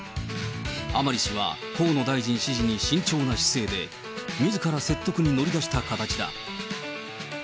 甘利氏は、河野大臣支持に慎重な姿勢で、みずから説得に乗り出した形だ。